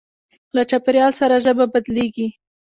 له چاپېریال سره ژبه بدلېږي.